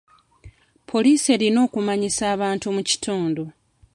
Poliisi erina okumanyisa abantu mu kitundu.